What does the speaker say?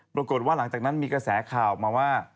ปรากฏว่าหลังจากนั้นมีกระแสข่าวออกมาว่า